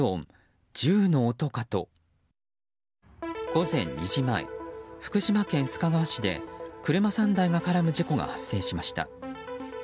午前２時前、福島県須賀川市で車３台が絡む事故が発生しました。